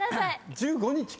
「１５日」か。